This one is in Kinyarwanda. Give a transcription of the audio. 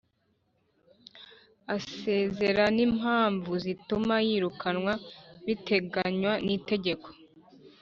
asezera n impamvu zituma yirukanwa biteganywa n itegeko